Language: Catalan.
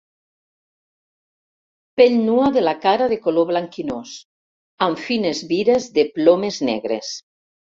Pell nua de la cara de color blanquinós amb fines vires de plomes negres.